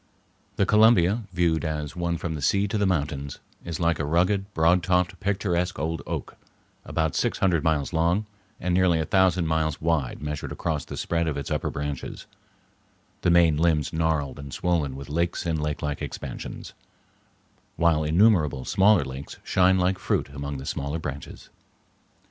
The Columbia, viewed as one from the sea to the mountains, is like a rugged, broad topped, picturesque old oak about six hundred miles long and nearly a thousand miles wide measured across the spread of its upper branches, the main limbs gnarled and swollen with lakes and lakelike expansions, while innumerable smaller lakes shine like fruit among the smaller branches.